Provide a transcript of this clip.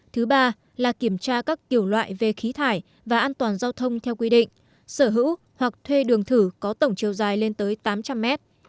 thứ ba là kiểm tra các kiểu loại về khí thải và an toàn giao thông theo quy định sở hữu hoặc thuê đường thử có tổng chiều dài lên tới tám trăm linh mét